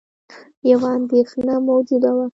یوه اندېښنه موجوده وه